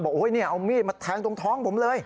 บอกโอ๊ยนี่เอามีดมาแทงตรงท้องผมเลย